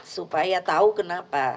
supaya tahu kenapa